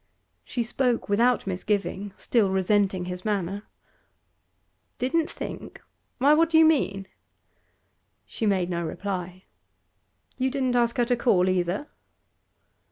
She spoke without misgiving, still resenting his manner. 'Didn't think? Why, what do you mean?' She made no reply. 'You didn't ask her to call, either?